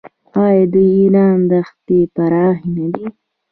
آیا د ایران دښتې پراخې نه دي؟